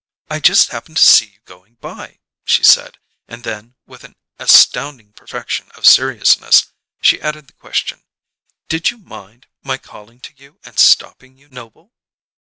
"I just happened to see you going by," she said, and then, with an astounding perfection of seriousness, she added the question: "Did you mind my calling to you and stopping you, Noble?"